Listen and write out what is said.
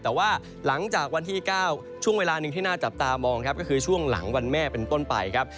แต่ว่าหลังจากวันที่๙ช่วงเวลาหนึ่งที่น่าจับตามองครับก็คือช่วงหลังวันแม่เป็นต้นไปครับ